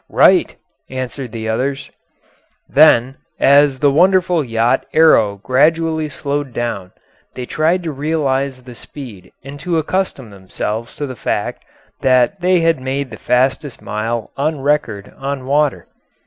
"Right," answered the others. Then, as the wonderful yacht Arrow gradually slowed down, they tried to realise the speed and to accustom themselves to the fact that they had made the fastest mile on record on water.